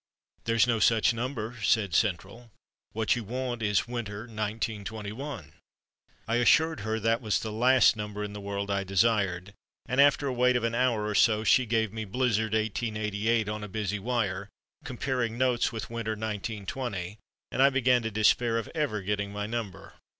"There's no such number," said Central; "what you want is Winter 1921." I assured her that was the last number in the world I desired, and after a wait of an hour or so she gave me Blizzard 1888 on a busy wire, comparing notes with Winter 1920, and I began to despair of ever getting my number.